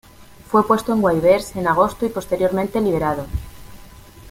Fue puesto en waivers en agosto, y posteriormente liberado.